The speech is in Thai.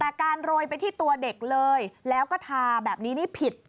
แต่การโรยไปที่ตัวเด็กเลยแล้วก็ทาแบบนี้นี่ผิด